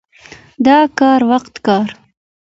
د کار وخت کار.